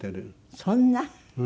そんな？